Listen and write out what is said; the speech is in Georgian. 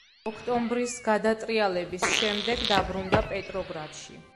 ოქტომბრის გადატრიალების შემდეგ დაბრუნდა პეტროგრადში.